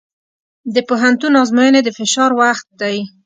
د پوهنتون ازموینې د فشار وخت دی.